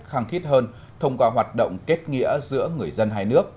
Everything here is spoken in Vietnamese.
khăng khít hơn thông qua hoạt động kết nghĩa giữa người dân hai nước